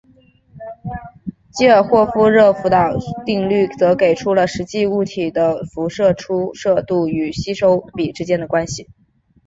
基尔霍夫热辐射定律则给出了实际物体的辐射出射度与吸收比之间的关系。